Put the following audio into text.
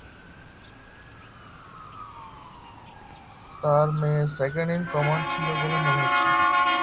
তার মেয়ে second in command ছিল বলে মনে হচ্ছে।